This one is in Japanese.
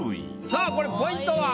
さあこれポイントは？